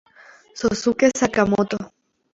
Yosuke Sakamoto